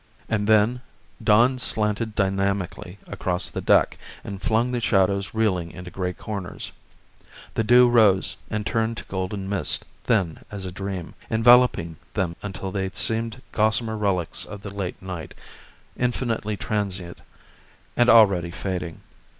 And then dawn slanted dynamically across the deck and flung the shadows reeling into gray corners. The dew rose and turned to golden mist, thin as a dream, enveloping them until they seemed gossamer relics of the late night, infinitely transient and already fading.